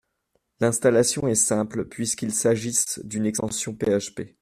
L’installation est simple puisqu’il s’agisse d’une extension PHP.